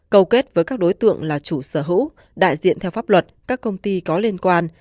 cầu kết với các đối tượng là chủ sở hữu đại diện theo pháp luật các công ty có liên quan